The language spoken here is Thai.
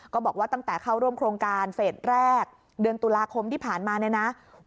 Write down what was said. ก็บอกว่าตั้งแต่เข้าร่วมโครงการเฟสแรกเดือนตุลาคมที่ผ่านมาเนี่ยนะ